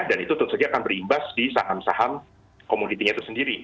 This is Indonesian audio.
dan itu tentu saja akan berimbas di saham saham komoditinya itu sendiri